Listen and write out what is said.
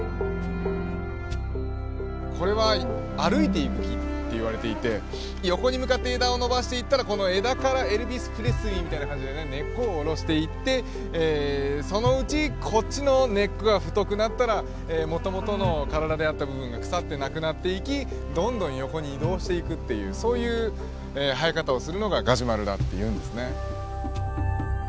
これは「歩いていく木」っていわれていて横に向かって枝を伸ばしていったらこの枝からエルヴィス・プレスリーみたいな感じでね根っこを下ろしていってそのうちこっちの根っこが太くなったらもともとの体であった部分が腐ってなくなっていきどんどん横に移動していくっていうそういう生え方をするのがガジュマルだっていうんですね。